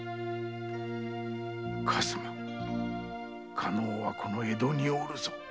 加納はこの江戸におるぞ。